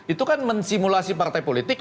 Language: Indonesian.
itu kan mensimulasi partai politik